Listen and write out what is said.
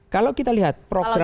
kalau kita lihat program